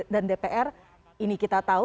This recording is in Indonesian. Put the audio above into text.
dan dpr ini kita tahu